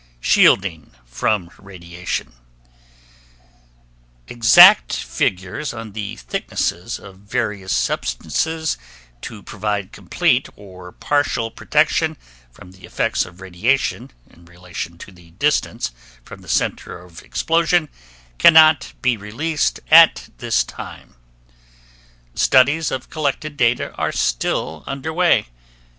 SHIELDING FROM RADIATION Exact figures on the thicknesses of various substances to provide complete or partial protection from the effects of radiation in relation to the distance from the center of explosion, cannot be released at this time. Studies of collected data are still under way.